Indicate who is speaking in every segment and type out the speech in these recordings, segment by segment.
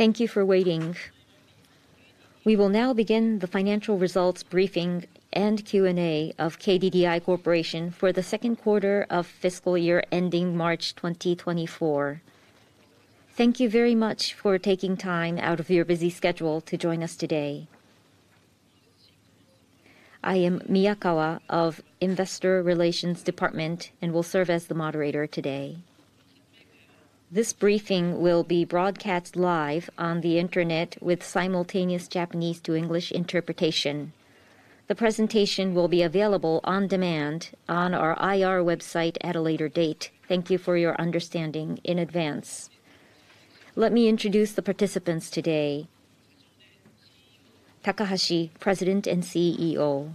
Speaker 1: Thank you for waiting. We will now begin the Financial Results Briefing and Q&A of KDDI Corporation for Q2 of Fiscal Year ending March 2024. Thank you very much for taking time out of your busy schedule to join us today. I am Miyakawa of Investor Relations Department and will serve as the moderator today. This briefing will be broadcast live on the internet with simultaneous Japanese to English interpretation. The presentation will be available on demand on our IR website at a later date. Thank you for your understanding in advance. Let me introduce the participants today. Takahashi, President and CEO.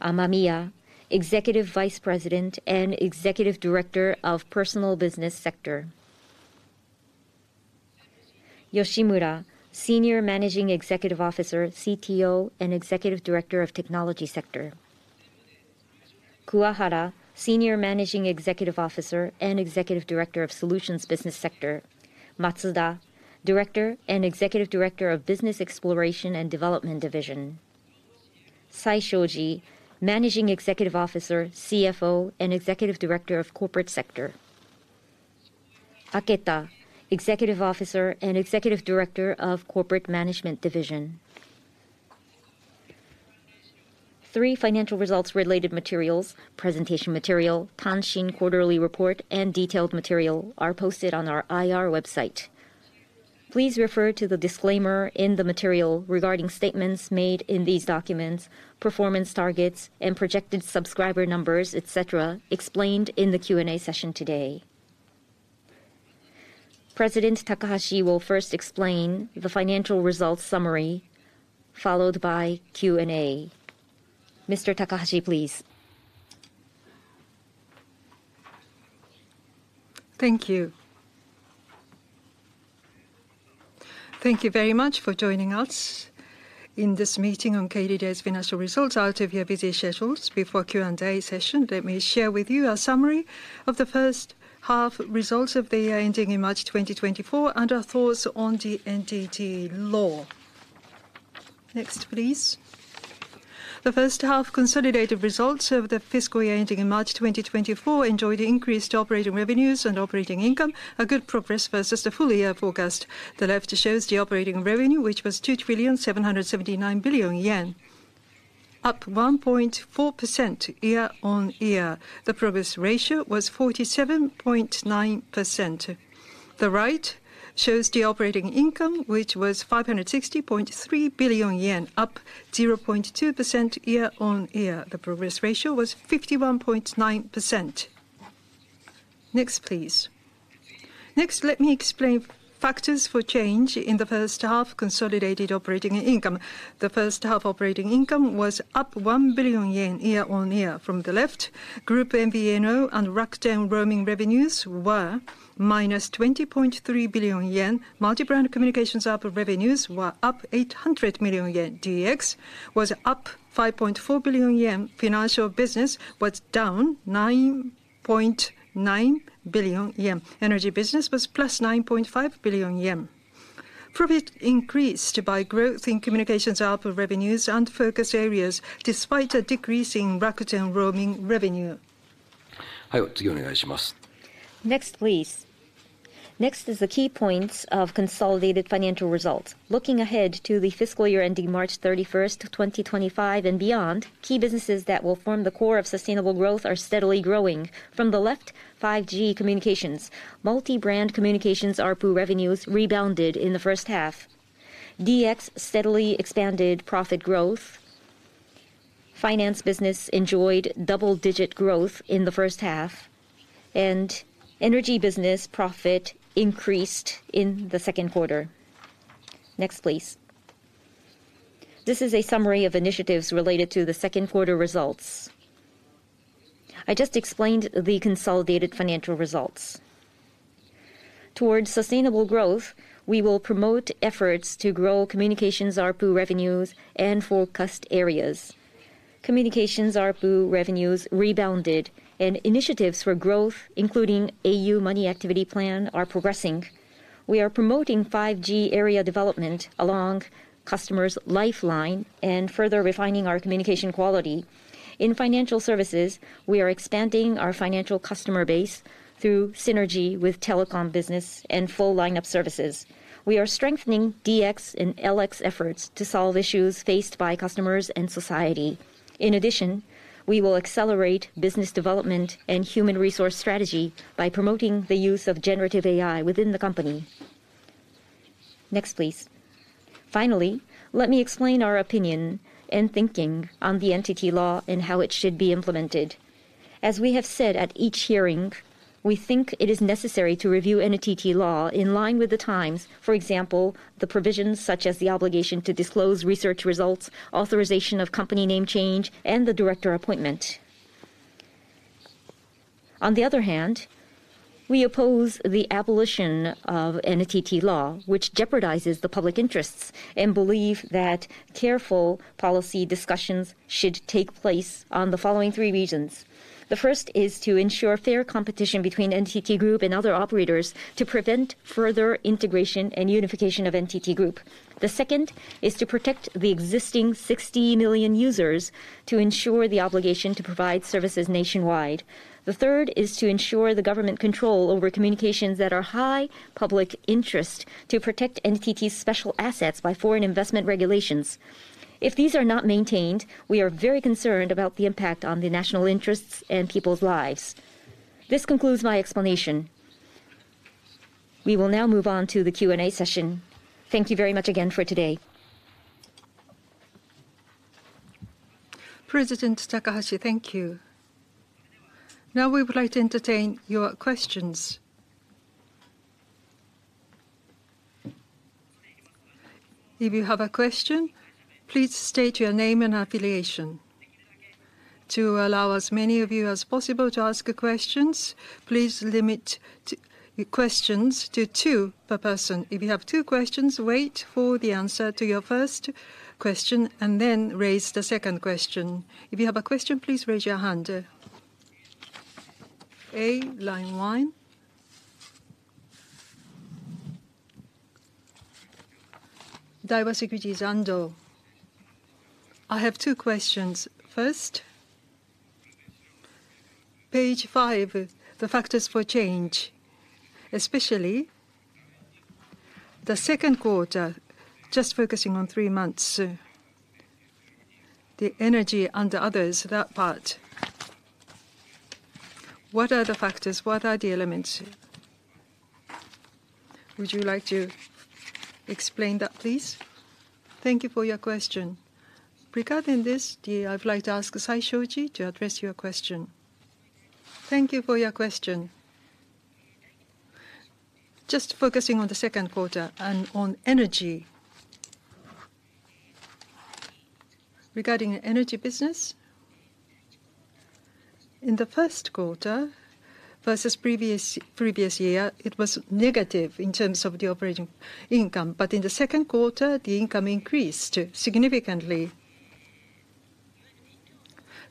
Speaker 1: Amamiya, Executive Vice President and Executive Director of Personal Business Sector. Yoshimura, Senior Managing Executive Officer, CTO, and Executive Director of Technology Sector. Kuwahara, Senior Managing Executive Officer and Executive Director of Solutions Business Sector. Matsuda, Director and Executive Director of Business Exploration and Development Division. Saishoji, Managing Executive Officer, CFO, and Executive Director of Corporate Sector. Aketa, Executive Officer and Executive Director of Corporate Management Division. Three financial results related materials, presentation material, quarterly report, and detailed material are posted on our IR website. Please refer to the disclaimer in the material regarding statements made in these documents, performance targets, and projected subscriber numbers, et cetera, explained in the Q&A session today. President Takahashi will first explain the financial results summary, followed by Q&A. Mr. Takahashi, please.
Speaker 2: Thank you. Thank you very much for joining us in this meeting on KDDI's financial results out of your busy schedules. Before Q&A session, let me share with you a summary of the first half results of the year ending in March 2024 and our thoughts on the NTT Law. Next, please. The first half consolidated results of the fiscal year ending in March 2024 enjoyed increased operating revenues and operating income, a good progress versus the full year forecast. The left shows the operating revenue, which was 2,779 billion yen, up 1.4% year-on-year. The progress ratio was 47.9%. The right shows the operating income, which was 560.3 billion yen, up 0.2% year-on-year. The progress ratio was 51.9%. Next, please. Next, let me explain factors for change in the first half consolidated operating income. The first half operating income was up 1 billion yen year on year. From the left, group MVNO and Rakuten roaming revenues were -20.3 billion yen. Multi-brand communications revenues were up 800 million yen. DX was up 5.4 billion yen. Financial business was down 9.9 billion yen. Energy business was +9.5 billion yen. Profit increased by growth in communications output revenues and focus areas, despite a decrease in Rakuten roaming revenue.
Speaker 1: Next, please. Next is the key points of consolidated financial results. Looking ahead to the fiscal year ending March 31, 2025 and beyond, key businesses that will form the core of sustainable growth are steadily growing. From the left, 5G communications. Multi-brand communications ARPU revenues rebounded in the first half. DX steadily expanded profit growth. Finance business enjoyed double-digit growth in the first half, and energy business profit increased in Q2. Next, please. This is a summary of initiatives related to Q2 results. I just explained the consolidated financial results. Towards sustainable growth, we will promote efforts to grow communications ARPU revenues and focused areas. Communications ARPU revenues rebounded, and initiatives for growth, including au Money Activity Plan, are progressing. We are promoting 5G area development along customers' lifeline and further refining our communication quality. In financial services, we are expanding our financial customer base through synergy with telecom business and full lineup services. We are strengthening DX and LX efforts to solve issues faced by customers and society. In addition, we will accelerate business development and human resource strategy by promoting the use of generative AI within the company. Next, please. Finally, let me explain our opinion and thinking on the NTT Law and how it should be implemented. As we have said at each hearing, we think it is necessary to review NTT Law in line with the times. For example, the provisions such as the obligation to disclose research results, authorization of company name change, and the director appointment.... On the other hand, we oppose the abolition of NTT Law, which jeopardizes the public interests, and believe that careful policy discussions should take place on the following three reasons. The first is to ensure fair competition between NTT Group and other operators to prevent further integration and unification of NTT Group. The second is to protect the existing 60 million users to ensure the obligation to provide services nationwide. The third is to ensure the government control over communications that are high public interest to protect NTT's special assets by foreign investment regulations. If these are not maintained, we are very concerned about the impact on the national interests and people's lives. This concludes my explanation. We will now move on to the Q&A session. Thank you very much again for today.
Speaker 3: President Takahashi, thank you. Now we would like to entertain your questions. If you have a question, please state your name and affiliation. To allow as many of you as possible to ask questions, please limit to two questions per person. If you have two questions, wait for the answer to your first question and then raise the second question. If you have a question, please raise your hand. A, line one. Daiwa Securities, Ando. I have two questions. First, page five, the factors for change, especially Q2, just focusing on three months, the energy and others, that part. What are the factors? What are the elements? Would you like to explain that, please? Thank you for your question. Regarding this, I'd like to ask Saishoji to address your question. Thank you for your question. Just focusing on Q2 and on energy. Regarding energy business, in Q1 versus previous, previous year, it was negative in terms of the operating income. But in Q2, the income increased significantly.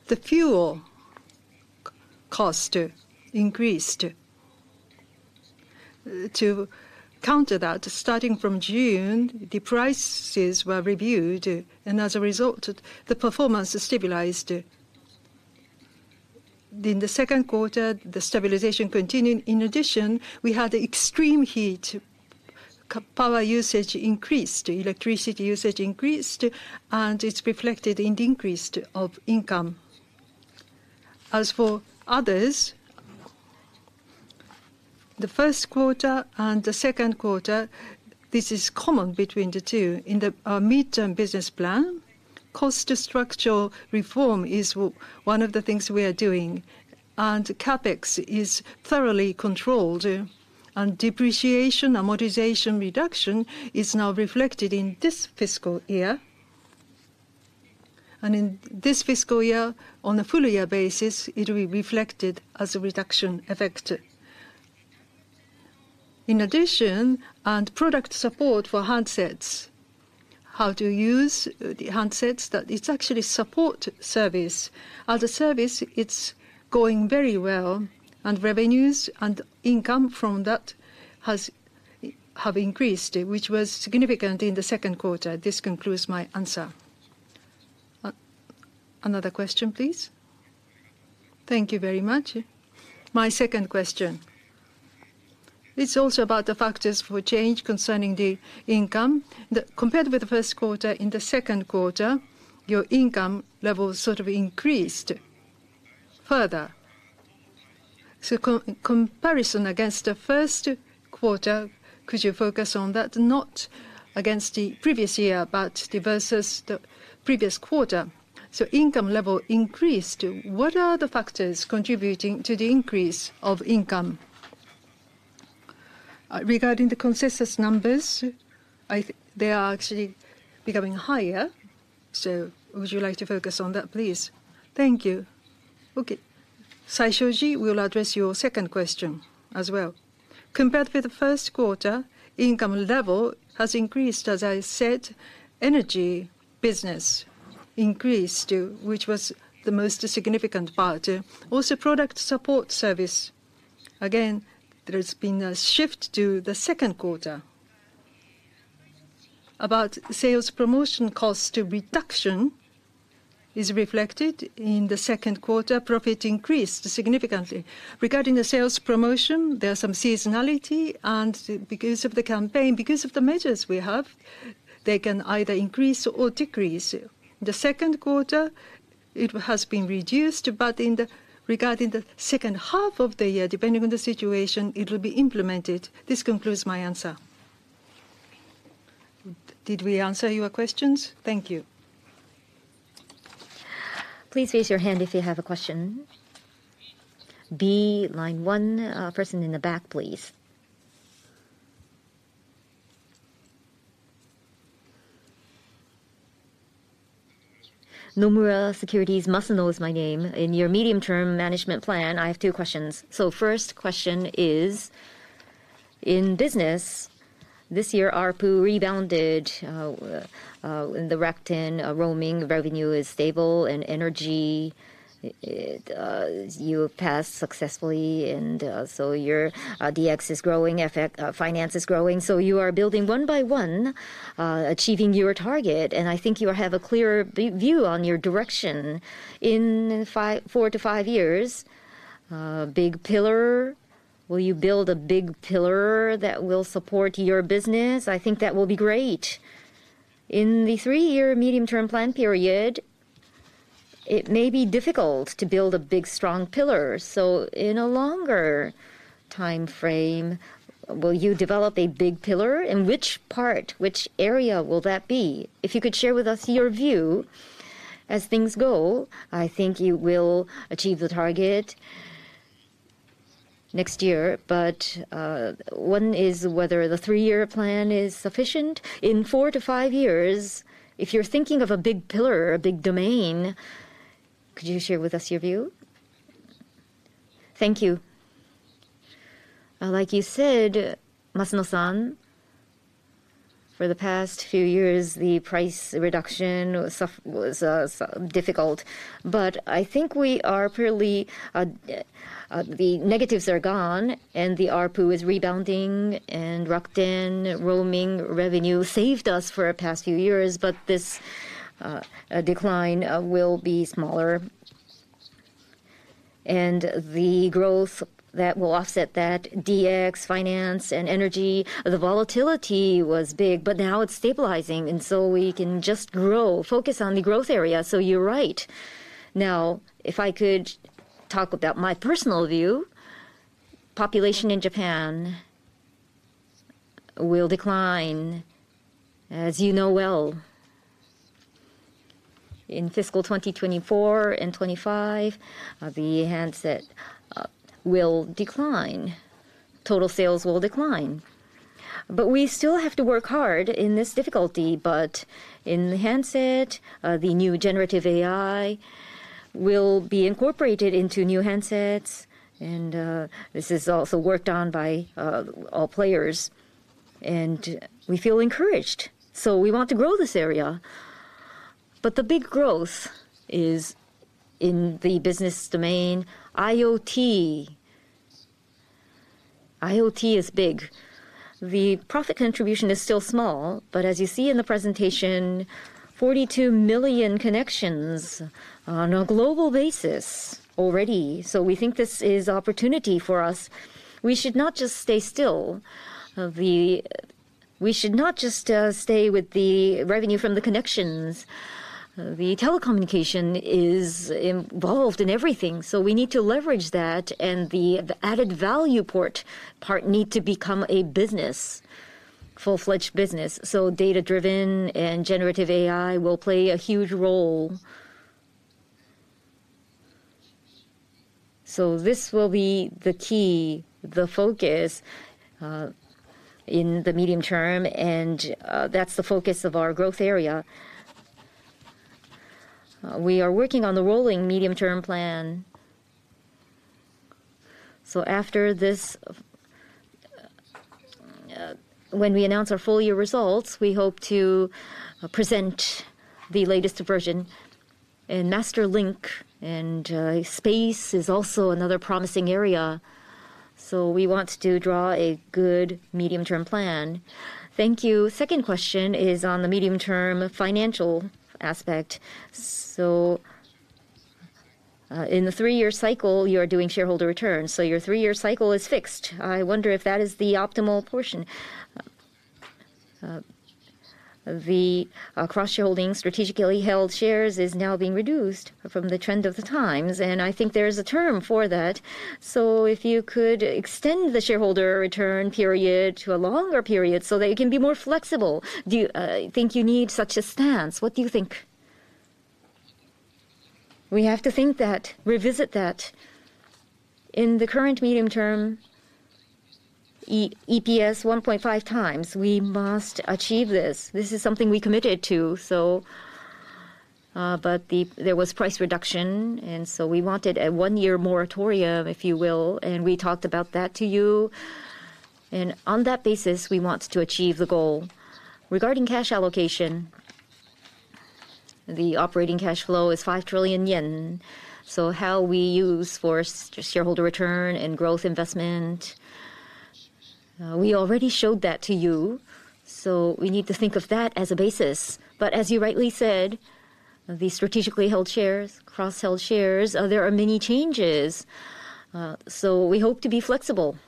Speaker 3: The fuel cost increased. To counter that, starting from June, the prices were reviewed, and as a result, the performance stabilized. In Q2, the stabilization continued. In addition, we had extreme heat. Power usage increased, electricity usage increased, and it's reflected in the increased of income. As for others, Q1 and Q2, this is common between the two. In the midterm business plan, cost to structural reform is one of the things we are doing, and CapEx is thoroughly controlled. And depreciation, amortization reduction is now reflected in this fiscal year. And in this fiscal year, on a full year basis, it will be reflected as a reduction effect. In addition, and product support for handsets, how to use the handsets, that it's actually support service. As a service, it's going very well, and revenues and income from that have increased, which was significant in Q2. This concludes my answer. Another question, please. Thank you very much. My second question, it's also about the factors for change concerning the income. Compared with Q1, in Q2, your income level sort of increased further. Comparison against Q1, could you focus on that? Not against the previous year, but versus the previous quarter. Income level increased. What are the factors contributing to the increase of income? Regarding the consensus numbers, they are actually becoming higher. Would you like to focus on that, please? Thank you. Okay. Saishoji will address your second question as well. Compared with Q1, income level has increased. As I said, energy business increased, which was the most significant part. Also, product support service, again, there's been a shift to Q2. About sales promotion cost reduction is reflected in Q2, profit increased significantly. Regarding the sales promotion, there are some seasonality, and because of the campaign, because of the measures we have, they can either increase or decrease. Q2, it has been reduced, but in the... Regarding the second half of the year, depending on the situation, it will be implemented. This concludes my answer. Did we answer your questions? Thank you.
Speaker 1: Please raise your hand if you have a question. B, line one, person in the back, please. Nomura Securities, Daisaku Matsuo is my name. In your medium-term management plan, I have two questions. So first question is, in business, this year, ARPU rebounded, in the Rakuten, roaming revenue is stable, and energy, it, you passed successfully, and, so your, DX is growing, au finance is growing. So you are building one by one, achieving your target, and I think you have a clear view on your direction. In four to five years, big pillar, will you build a big pillar that will support your business? I think that will be great. In the three-year medium-term plan period, it may be difficult to build a big, strong pillar, so in a longer timeframe, will you develop a big pillar? In which part, which area will that be? If you could share with us your view. As things go, I think you will achieve the target next year, but one is whether the three-year plan is sufficient. In four to five years, if you're thinking of a big pillar, a big domain, could you share with us your view? Thank you. Like you said, Matsuo, for the past few years, the price reduction was difficult. But I think we are purely, the negatives are gone, and the ARPU is rebounding, and Rakuten roaming revenue saved us for the past few years, but this decline will be smaller. The growth that will offset that, DX, finance, and energy, the volatility was big, but now it's stabilizing, and so we can just grow, focus on the growth area, so you're right. Now, if I could talk about my personal view, population in Japan will decline, as you know well. In fiscal 2024 and 2025, the handset will decline. Total sales will decline. But we still have to work hard in this difficulty, but in the handset, the new generative AI will be incorporated into new handsets, and this is also worked on by all players, and we feel encouraged, so we want to grow this area. But the big growth is in the business domain, IoT. IoT is big. The profit contribution is still small, but as you see in the presentation, 42 million connections on a global basis already. So we think this is opportunity for us. We should not just stay still. We should not just stay with the revenue from the connections. The telecommunication is involved in everything, so we need to leverage that, and the added value part need to become a business, full-fledged business. So data-driven and generative AI will play a huge role. So this will be the key, the focus, in the medium term, and that's the focus of our growth area. We are working on the rolling medium-term plan. So after this, when we announce our full year results, we hope to present the latest version. And Starlink and SpaceX is also another promising area, so we want to draw a good medium-term plan. Thank you. Second question is on the medium-term financial aspect. So, in the three-year cycle, you are doing shareholder returns, so your three-year cycle is fixed. I wonder if that is the optimal portion. The cross-shareholding, strategically held shares, is now being reduced from the trend of the times, and I think there is a term for that. So if you could extend the shareholder return period to a longer period so that it can be more flexible, do you think you need such a stance? What do you think? We have to think that, revisit that. In the current medium term, EPS 1.5x, we must achieve this. This is something we committed to, so, but the... There was price reduction, and so we wanted a one-year moratorium, if you will, and we talked about that to you. And on that basis, we want to achieve the goal. Regarding cash allocation, the operating cash flow is 5 trillion yen. So how we use for shareholder return and growth investment, we already showed that to you, so we need to think of that as a basis. But as you rightly said, the strategically held shares, cross-held shares, there are many changes, so we hope to be flexible.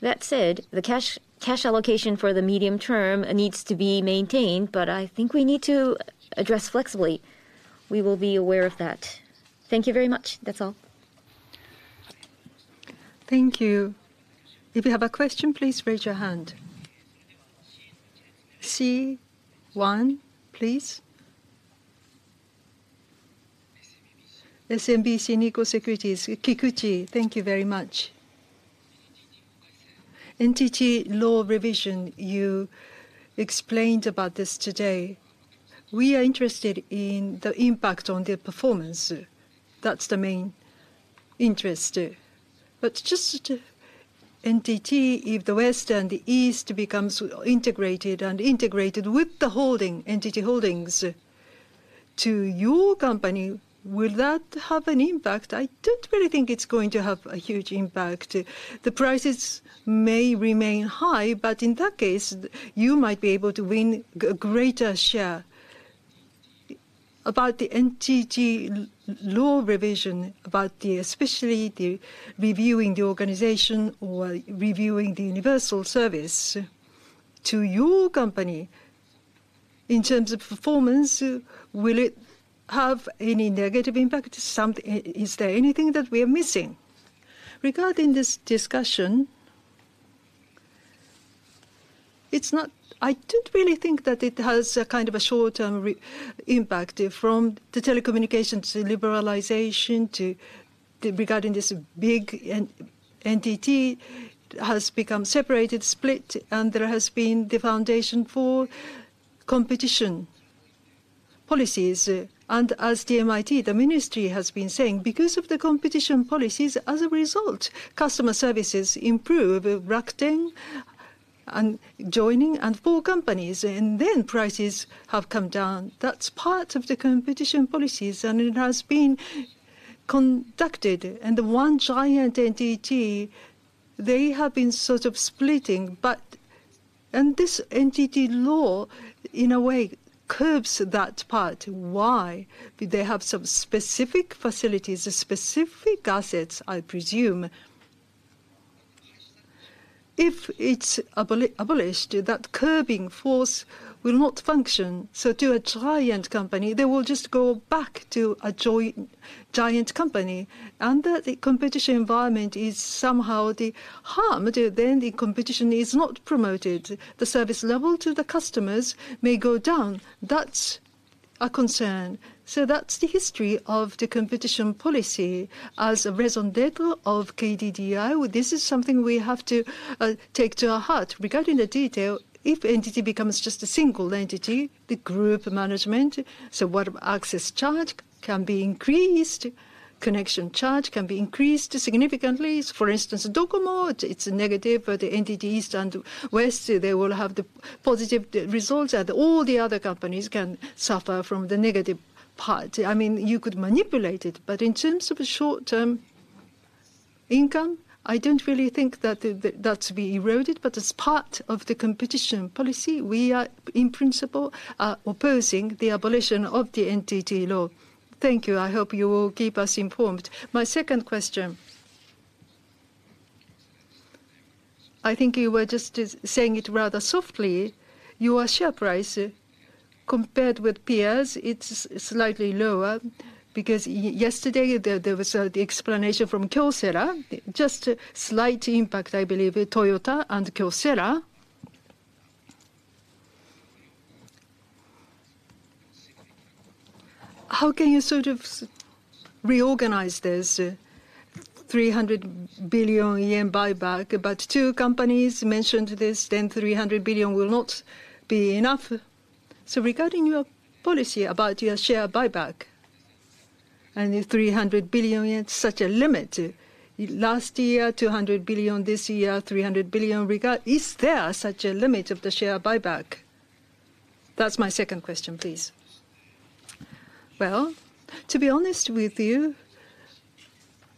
Speaker 1: That said, the cash, cash allocation for the medium term needs to be maintained, but I think we need to address flexibly. We will be aware of that. Thank you very much. That's all.
Speaker 3: Thank you. If you have a question, please raise your hand. C1, please? SMBC Nikko Securities, Kikuchi, thank you very much. NTT Law revision, you explained about this today. We are interested in the impact on the performance. That's the main interest. But just NTT, if the West and the East becomes integrated, and integrated with the holding, NTT Holdings, to your company, will that have an impact? I don't really think it's going to have a huge impact. The prices may remain high, but in that case, you might be able to win greater share. About the NTT Law revision, especially the reviewing the organization or reviewing the universal service. To your company, in terms of performance, will it have any negative impact? Something, is there anything that we are missing? Regarding this discussion, it's not. I don't really think that it has a kind of a short-term impact from the telecommunications liberalization to the regarding this big NTT has become separated, split, and there has been the foundation for competition policies. And as the MIC, the ministry, has been saying, because of the competition policies, as a result, customer services improve. Rakuten joining and four companies, and then prices have come down. That's part of the competition policies, and it has been conducted. And the one giant NTT, they have been sort of splitting, but. And this NTT Law, in a way, curbs that part. Why? They have some specific facilities, specific assets, I presume. If it's abolished, that curbing force will not function. So to a giant company, they will just go back to a giant company, and the competition environment is somehow thereby harmed. Then the competition is not promoted. The service level to the customers may go down. That's a concern. So that's the history of the competition policy. As a raison d'être of KDDI, this is something we have to take to our heart. Regarding the detail, if NTT becomes just a single entity, the group management, so what access charge can be increased, connection charge can be increased significantly. For instance, Docomo, it's a negative, but NTT East and West, they will have the positive results, and all the other companies can suffer from the negative part. I mean, you could manipulate it, but in terms of short-term income, I don't really think that that's be eroded. But as part of the competition policy, we are, in principle, opposing the abolition of the NTT Law. Thank you. I hope you will keep us informed. My second question. I think you were just saying it rather softly. Your share price compared with peers, it's slightly lower, because yesterday there was the explanation from Kyocera, just a slight impact, I believe, Toyota and Kyocera. How can you sort of reorganize this 300 billion yen buyback? But two companies mentioned this, then 300 billion will not be enough. So regarding your policy about your share buyback and your 300 billion, such a limit. Last year, 200 billion, this year, 300 billion regard. Is there such a limit of the share buyback? That's my second question, please. Well, to be honest with you,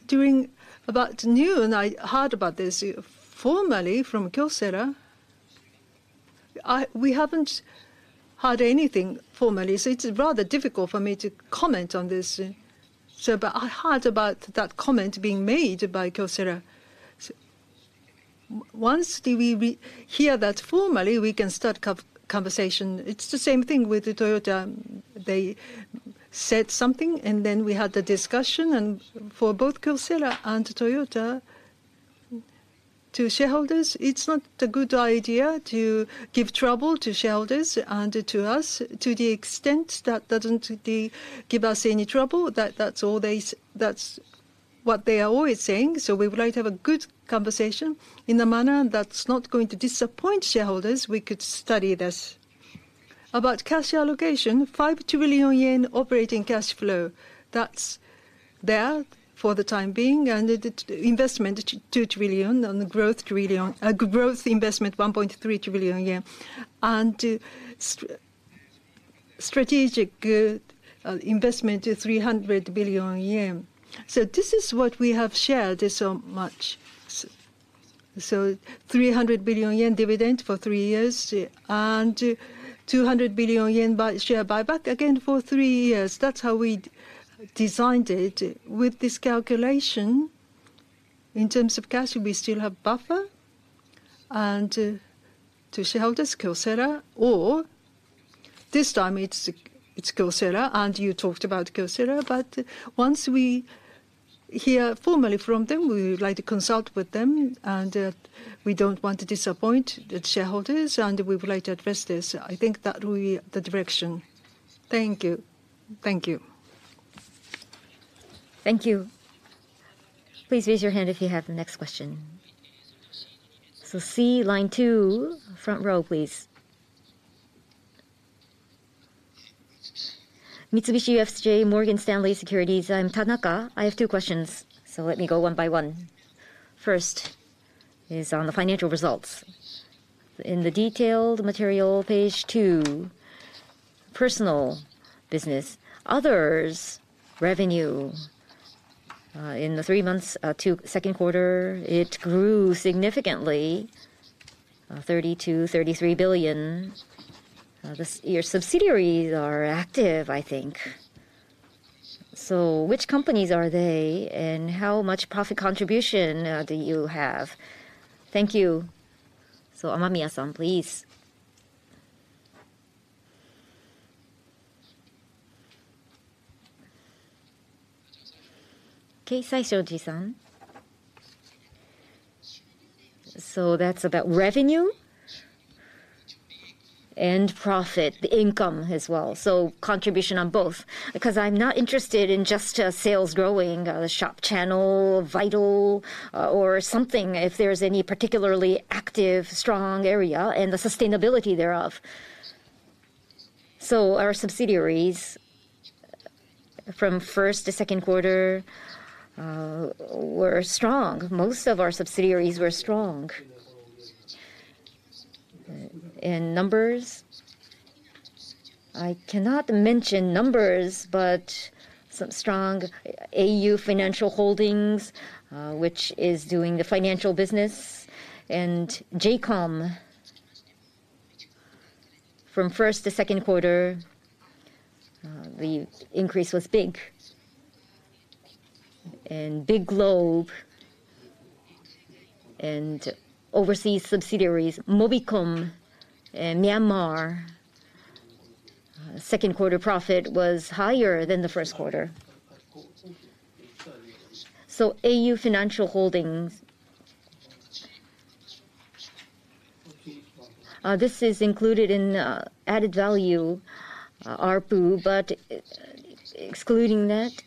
Speaker 3: during about noon, I heard about this formally from Kyocera. We haven't heard anything formally, so it's rather difficult for me to comment on this. So but I heard about that comment being made by Kyocera. So once we hear that formally, we can start conversation. It's the same thing with Toyota. They said something, and then we had a discussion. And for both Kyocera and Toyota, to shareholders, it's not a good idea to give trouble to shareholders and to us. To the extent that doesn't give us any trouble, that's all they... That's what they are always saying. So we would like to have a good conversation in a manner that's not going to disappoint shareholders. We could study this. About cash allocation, 5 trillion yen operating cash flow. That's it for the time being, and the investment, 2 trillion, on the growth trillion, growth investment, 1.3 trillion yen. And strategic investment, 300 billion yen. So this is what we have shared so much. So 300 billion yen dividend for three years and 200 billion yen share buyback, again, for three years. That's how we designed it. With this calculation, in terms of cash, we still have buffer. And to shareholders, Kyocera, or this time it's, it's Kyocera, and you talked about Kyocera. But once we hear formally from them. We would like to consult with them, and we don't want to disappoint the shareholders, and we would like to address this. I think that will be the direction. Thank you. Thank you.
Speaker 1: Thank you. Please raise your hand if you have the next question. So C, line two, front row, please. Mitsubishi UFJ Securities, I'm Tanaka. I have two questions, so let me go one by one. First is on the financial results. In the detailed material, page two, personal business, others revenue, in the three months to Q2, it grew significantly, 32 -33 billion. The subsidiaries are active, I think. So which companies are they, and how much profit contribution do you have? Thank you. So Amamiya-san, please. Okay, Saishoji-san. So that's about revenue and profit, the income as well, so contribution on both. Because I'm not interested in just sales growing, shop channel, vital, or something, if there's any particularly active, strong area and the sustainability thereof. So our subsidiaries from first to Q2 were strong. Most of our subsidiaries were strong. In numbers, I cannot mention numbers, but some strong, au Financial Holdings, which is doing the financial business, and J:COM. From Q1 to Q2, the increase was big. And BIGLOBE and overseas subsidiaries, MobiCom and Myanmar, Q2 profit was higher than Q1. So au Financial Holdings? This is included in added value ARPU, but excluding that.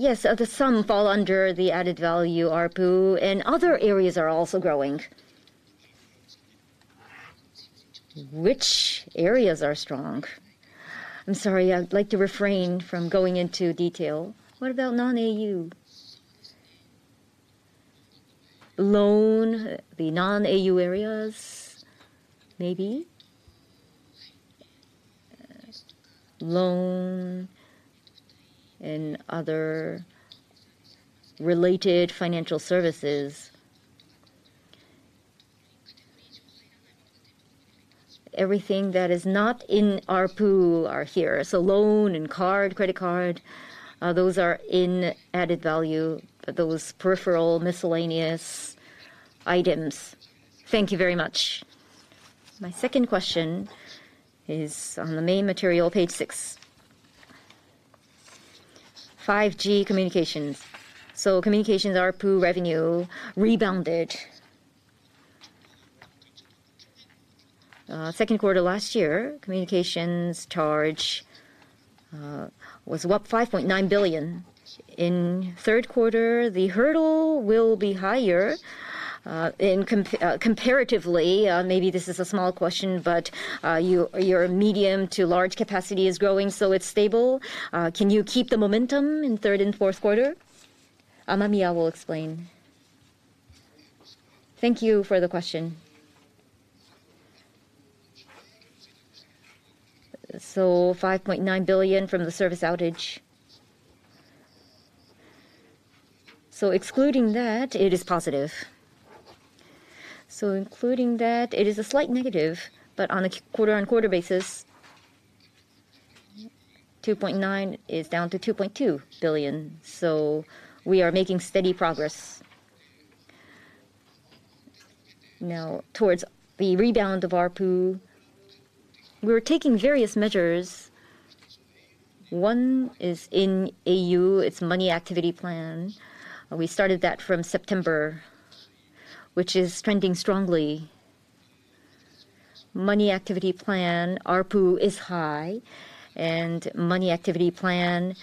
Speaker 1: Yes, the sum fall under the added value ARPU, and other areas are also growing. Which areas are strong? I'm sorry, I'd like to refrain from going into detail. What about non-au loan, the non-au areas, maybe. Loan and other related financial services. Everything that is not in ARPU are here. Lawson and card, credit card, those are in added value, those peripheral miscellaneous items. Thank you very much. My second question is on the main material, page six. 5G communications. So communications ARPU revenue rebounded. Q2 last year, communications charge, was up 5.9 billion. In third quarter, the hurdle will be higher, in comparatively. Maybe this is a small question, but, your medium to large capacity is growing, so it's stable. Can you keep the momentum in Q3 and Q4? Amamiya will explain. Thank you for the question. So 5.9 billion from the service outage. So excluding that, it is positive. So including that, it is a slight negative, but on a quarter-on-quarter basis, 2.9 is down to 2.2 billion, so we are making steady progress. Now, towards the rebound of ARPU, we're taking various measures. One is in au, its Money Activity Plan. We started that from September, which is trending strongly. Money Activity Plan, ARPU is high, and Money Activity Plan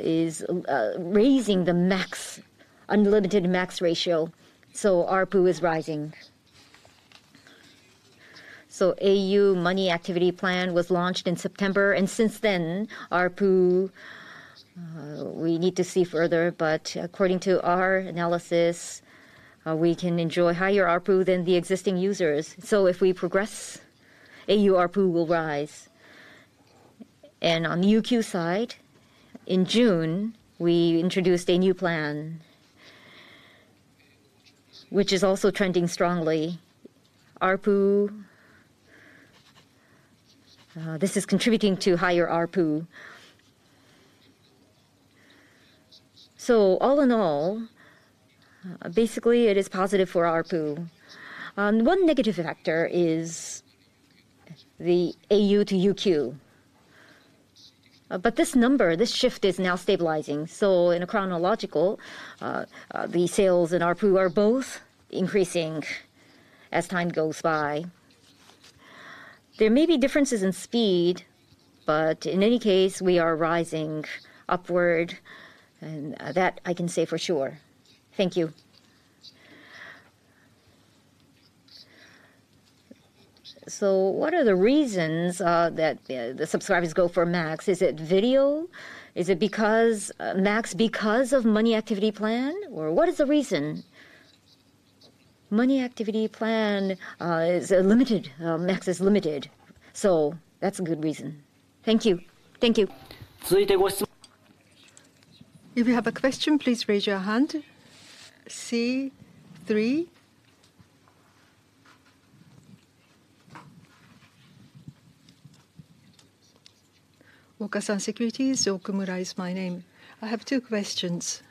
Speaker 1: is raising the max, Unlimited MAX ratio, so ARPU is rising. So au Money Activity Plan was launched in September, and since then, ARPU, we need to see further, but according to our analysis, we can enjoy higher ARPU than the existing users. So if we progress, au ARPU will rise. And on the UQ side, in June, we introduced a new plan, which is also trending strongly. ARPU, this is contributing to higher ARPU. So all in all, basically, it is positive for ARPU. One negative factor is- ...The au to UQ. But this number, this shift, is now stabilizing. So in a chronological, the sales and ARPU are both increasing as time goes by. There may be differences in speed, but in any case, we are rising upward, and, that I can say for sure. Thank you. So what are the reasons that the subscribers go for Max? Is it video? Is it because, Max because of money activity plan, or what is the reason? Money activity plan is limited. Max is limited, so that's a good reason. Thank you. Thank you. If you have a question, please raise your hand. C-three. Okasan Securities, Komura is my name. I have two questions.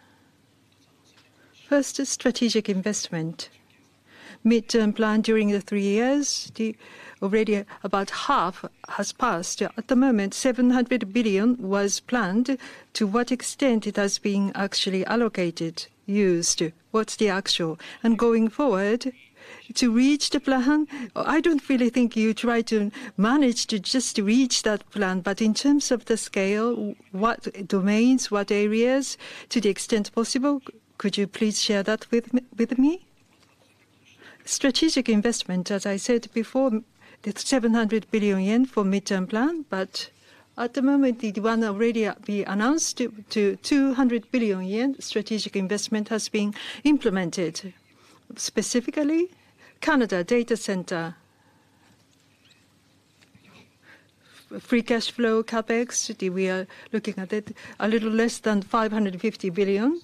Speaker 1: First, strategic investment. Mid-term plan during the three years, the already about half has passed. At the moment, 700 billion was planned.
Speaker 3: To what extent it has been actually allocated, used? What's the actual? And going forward, to reach the plan, I don't really think you try to manage to just reach that plan. But in terms of the scale, what domains, what areas, to the extent possible, could you please share that with with me? Strategic investment, as I said before, the 700 billion yen for midterm plan. But at the moment, the one already be announced to 200 billion yen, strategic investment has been implemented. Specifically, Canada Data Center. Free cash flow, CapEx, we are looking at it a little less than 550 billion.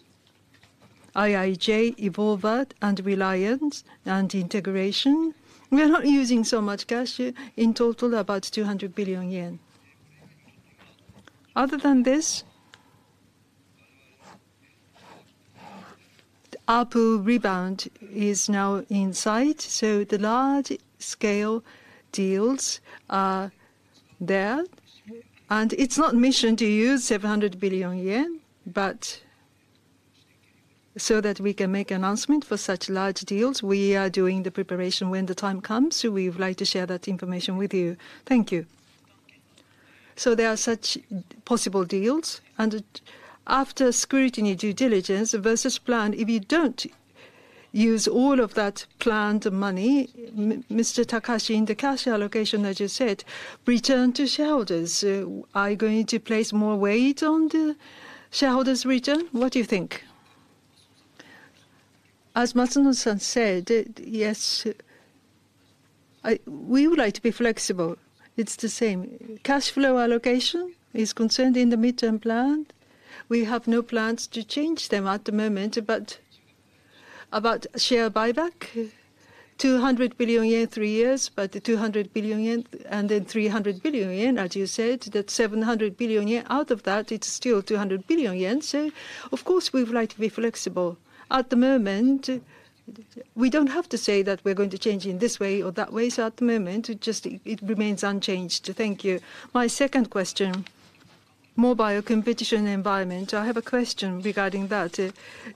Speaker 3: IIJ, Evolva and Relia and integration. We are not using so much cash. In total, about 200 billion yen. Other than this, ARPU rebound is now in sight, so the large-scale deals are there. It's not mission to use 700 billion yen, but so that we can make announcement for such large deals, we are doing the preparation when the time comes. So we would like to share that information with you. Thank you. So there are such possible deals, and after scrutiny, due diligence versus plan, if you don't use all of that planned money, Mr. Takahashi, in the cash allocation, as you said, return to shareholders. Are you going to place more weight on the shareholders' return? What do you think? As Masuno-san said, yes, I... We would like to be flexible. It's the same. Cash flow allocation is concerned in the midterm plan. We have no plans to change them at the moment. But about share buyback, 200 billion yen, three years, but 200 billion yen and then 300 billion yen, as you said, that's 700 billion yen. Out of that, it's still 200 billion yen. So of course, we would like to be flexible. At the moment, we don't have to say that we're going to change in this way or that way. So at the moment, it just, it remains unchanged. Thank you. My second question, mobile competition environment. I have a question regarding that.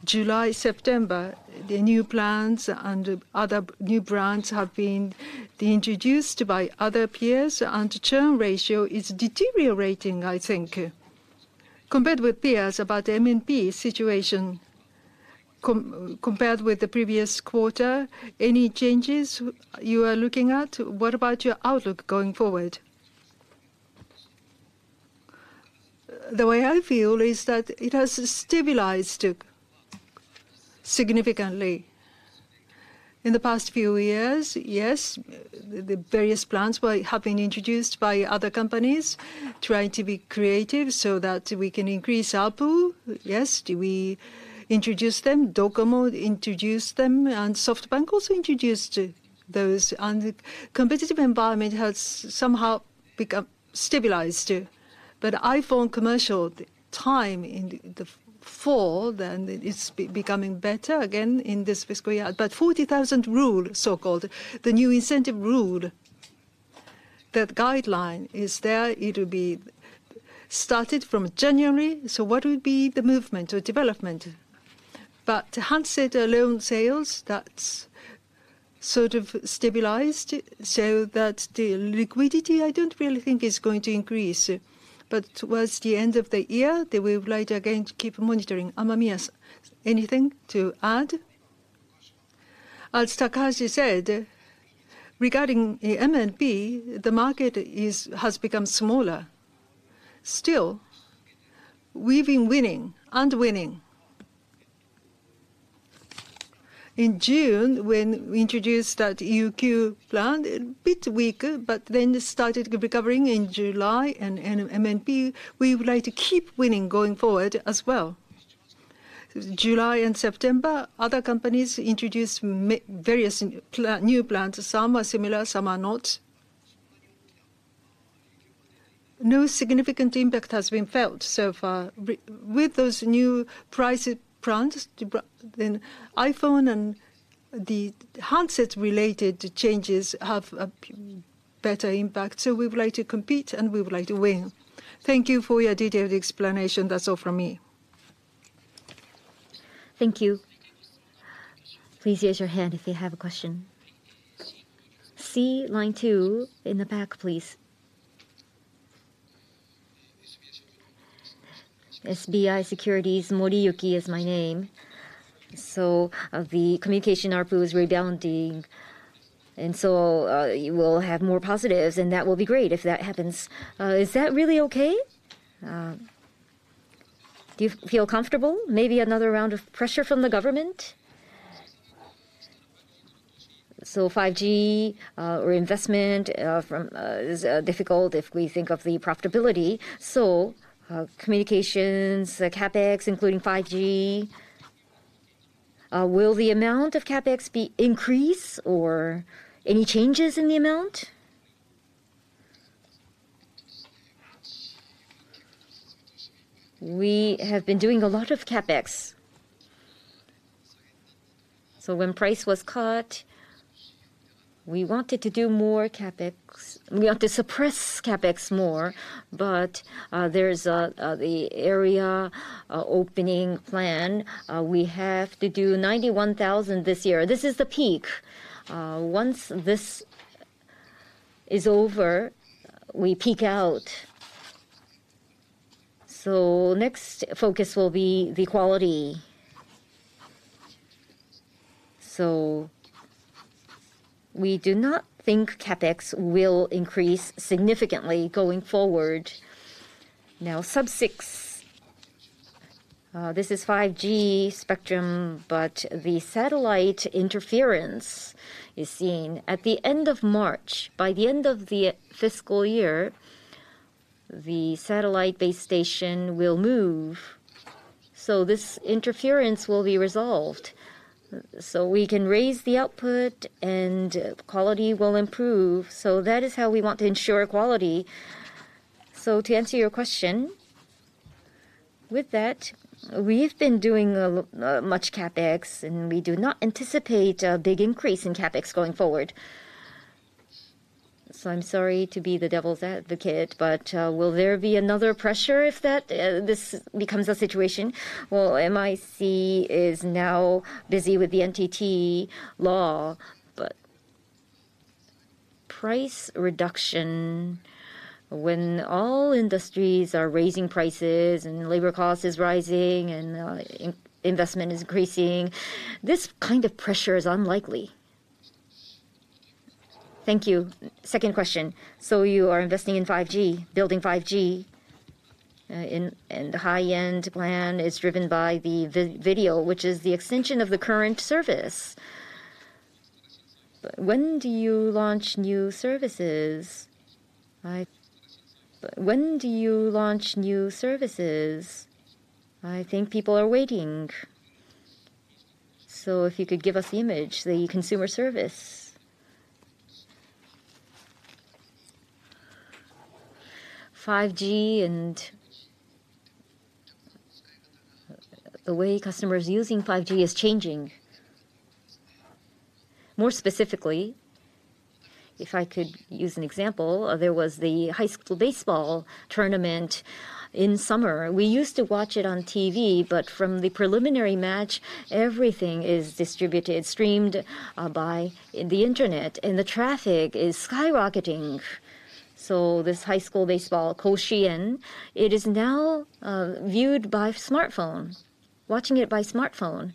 Speaker 3: July, September, the new plans and other new brands have been introduced by other peers, and churn ratio is deteriorating, I think. Compared with peers about MNP situation compared with the previous quarter, any changes you are looking at? What about your outlook going forward? The way I feel is that it has stabilized significantly. In the past few years, yes, the various plans have been introduced by other companies trying to be creative so that we can increase ARPU. Yes, we introduced them, Docomo introduced them, and SoftBank also introduced those. And the competitive environment has somehow become stabilized. But iPhone commercial, the time in the fall, then it's becoming better again in this fiscal year. But 40,000 rule, so-called, the new incentive rule, that guideline is there. It will be started from January, so what will be the movement or development? But handset alone sales, that's sort of stabilized, so that the liquidity, I don't really think is going to increase. But towards the end of the year, then we would like again to keep monitoring. Amamiya, anything to add? As Takahashi said, regarding the MNP, the market has become smaller. Still, we've been winning and winning. In June, when we introduced that UQ plan, a bit weaker, but then it started recovering in July. MNP, we would like to keep winning going forward as well. July and September, other companies introduced various new plans. Some are similar, some are not. No significant impact has been felt so far. With those new price brands, then iPhone and the handsets related changes have a better impact, so we would like to compete, and we would like to win. Thank you for your detailed explanation. That's all from me.
Speaker 1: Thank you. Please raise your hand if you have a question. C, line two, in the back, please. SBI Securities, Moriyuki is my name. So, the communication ARPU is rebounding, and so, you will have more positives, and that will be great if that happens. Is that really okay? Do you feel comfortable? Maybe another round of pressure from the government? So 5G, or investment, from, is, difficult if we think of the profitability. So, communications, the CapEx, including 5G, will the amount of CapEx be increased or any changes in the amount? We have been doing a lot of CapEx. So when price was cut, we wanted to do more CapEx. We have to suppress CapEx more, but, there's the area opening plan. We have to do 91,000 this year. This is the peak. Once this is over, we peak out. So next focus will be the quality. So we do not think CapEx will increase significantly going forward. Now, Sub-6, this is 5G spectrum, but the satellite interference is seen. At the end of March, by the end of the fiscal year, the satellite base station will move, so this interference will be resolved. So we can raise the output, and quality will improve, so that is how we want to ensure quality. So to answer your question, with that, we've been doing a much CapEx, and we do not anticipate a big increase in CapEx going forward. So I'm sorry to be the devil's advocate, but, will there be another pressure if that this becomes the situation? Well, MIC is now busy with the NTT Law, but price reduction, when all industries are raising prices and labor cost is rising and investment is increasing, this kind of pressure is unlikely. Thank you. Second question: so you are investing in 5G, building 5G in. And high-end plan is driven by the video, which is the extension of the current service. But when do you launch new services? But when do you launch new services? I think people are waiting. So if you could give us the image, the consumer service. 5G and the way customers are using 5G is changing. More specifically, if I could use an example, there was the high school baseball tournament in summer. We used to watch it on TV, but from the preliminary match, everything is distributed, streamed by the internet, and the traffic is skyrocketing. So this high school baseball, Koshien, it is now viewed by smartphone. Watching it by smartphone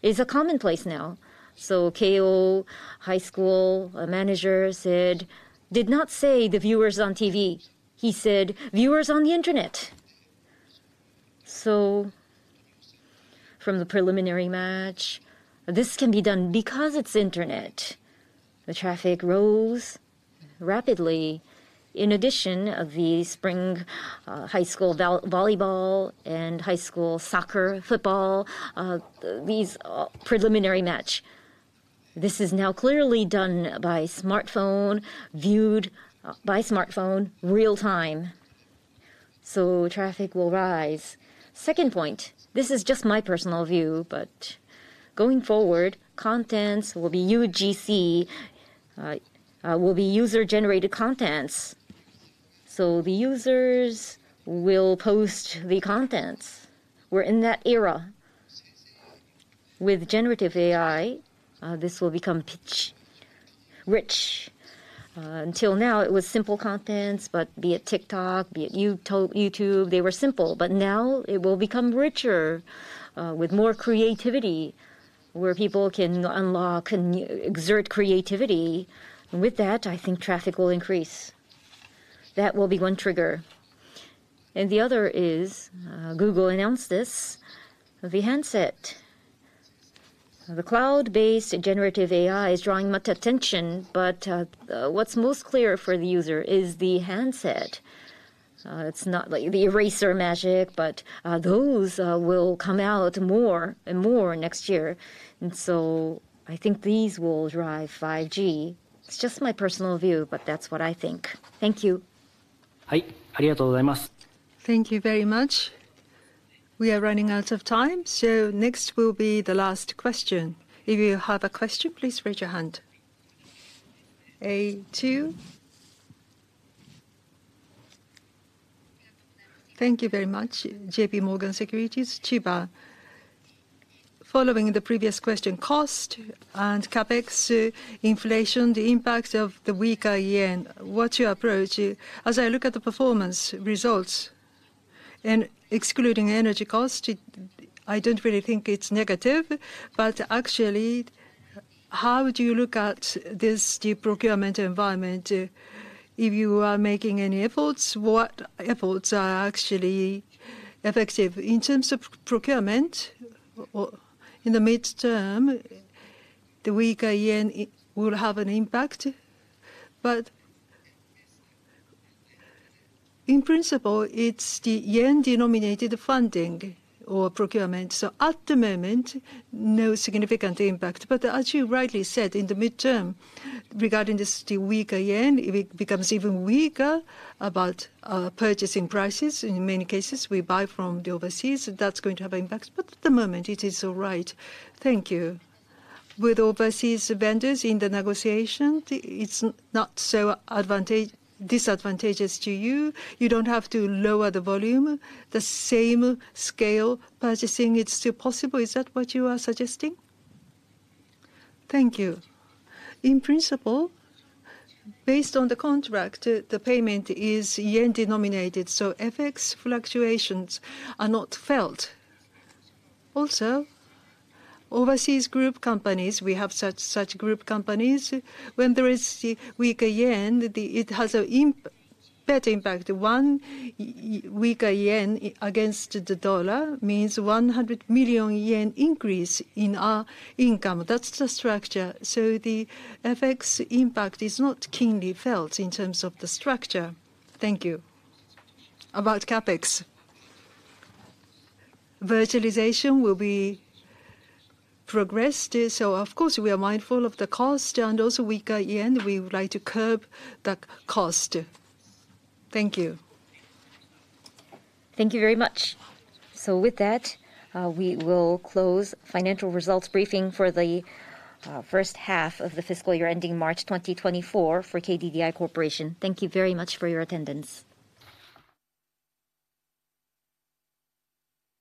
Speaker 1: is commonplace now. So Keio High School manager said, did not say the viewers on TV. He said, "Viewers on the internet." So from the preliminary match, this can be done because it's internet. The traffic rose rapidly. In addition, the spring high school volleyball and high school soccer, football, these preliminary match, this is now clearly done by smartphone, viewed by smartphone real-time, so traffic will rise. Second point, this is just my personal view, but going forward, contents will be UGC, will be user-generated contents. So the users will post the contents. We're in that era. With generative AI, this will become pitch rich. Until now, it was simple contents, but be it TikTok, be it YouTube, they were simple, but now it will become richer with more creativity, where people can unlock and exert creativity. With that, I think traffic will increase. That will be one trigger. And the other is, Google announced this, the handset. The cloud-based Generative AI is drawing much attention, but, what's most clear for the user is the handset. It's not like the Magic Eraser, but, those will come out more and more next year, and so I think these will drive 5G. It's just my personal view, but that's what I think. Thank you.
Speaker 3: Thank you very much.... We are running out of time, so next will be the last question. If you have a question, please raise your hand. A2? Thank you very much. J.P. Morgan Securities, Chiba. Following the previous question, cost and CapEx, inflation, the impact of the weaker yen, what's your approach? As I look at the performance results, and excluding energy cost, I don't really think it's negative. But actually, how do you look at this, the procurement environment? If you are making any efforts, what efforts are actually effective in terms of procurement? Well, in the midterm, the weaker yen will have an impact. But in principle, it's the yen-denominated funding or procurement, so at the moment, no significant impact. But as you rightly said, in the midterm, regarding this, the weaker yen, if it becomes even weaker, about purchasing prices, in many cases, we buy from the overseas, that's going to have impact. But at the moment it is all right. Thank you. With overseas vendors in the negotiation, it's not so disadvantageous to you. You don't have to lower the volume, the same scale purchasing, it's still possible. Is that what you are suggesting? Thank you. In principle, based on the contract, the payment is yen-denominated, so FX fluctuations are not felt. Also, overseas group companies, we have such group companies. When there is the weaker yen, it has a better impact. One weaker yen against the U.S. dollar means 100 million yen increase in our income. That's the structure. So the FX impact is not keenly felt in terms of the structure. Thank you. About CapEx? Virtualization will be progressed, so of course, we are mindful of the cost and also weaker yen. We would like to curb the cost. Thank you.
Speaker 1: Thank you very much. So with that, we will close financial results briefing for the first half of the fiscal year ending March 2024 for KDDI Corporation. Thank you very much for your attendance.